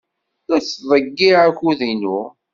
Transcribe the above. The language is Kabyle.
La ttḍeyyiɛeɣ akud-inu.